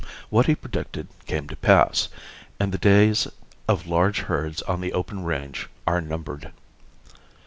What he predicted came to pass, and the days of large herds on the open range are numbered.